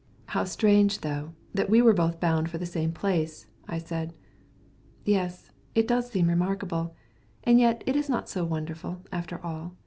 "How strange, though, that we were both bound for the same place!" I said. "Yes, it does seem remarkable; and yet it is not so wonderful, after all.